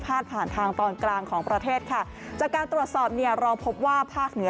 ผ่านทางตอนกลางของประเทศค่ะจากการตรวจสอบเนี่ยเราพบว่าภาคเหนือ